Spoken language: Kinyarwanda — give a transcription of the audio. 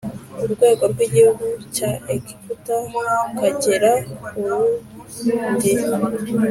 urwego rw igihugu cya Egiputa ukagera ku rundi